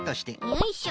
よいしょ。